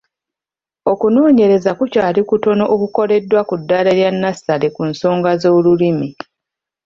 Okunoonyereza kukyali kutono okukoleddwa ku ddaala lya nnasale ku nsonga z’olulimi.